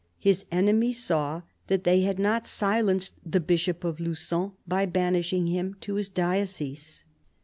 His enemies saw that they had not silenced the Bishop of Lugon by banishing him to his diocese.